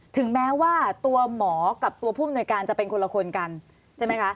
ถึงแม้ว่าตัวหมอกับตัวผู้อำนวยการจะเป็นคนละคนกันใช่ไหมคะ